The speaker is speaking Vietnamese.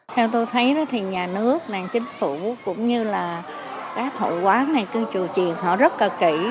theo tôi thấy thì nhà nước nàng chính phủ cũng như là các hội quán này cứ trụ truyền họ rất là kỹ